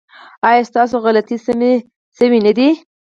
ایا ستاسو غلطۍ سمې شوې نه دي؟